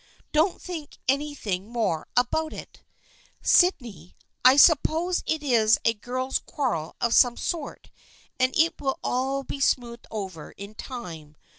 Don't think anything more about it, Syd ney. I suppose it is a girls' quarrel of some sort, and it will all be smoothed over in time.